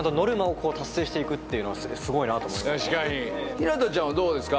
日向ちゃんはどうですか？